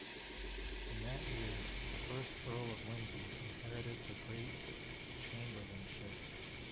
In that year, the first Earl of Lindsey inherited the Great Chamberlainship.